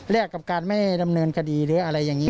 กับการไม่ดำเนินคดีหรืออะไรอย่างนี้